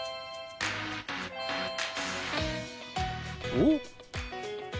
おっ！